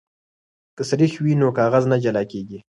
که سريښ وي نو کاغذ نه جلا کیږي.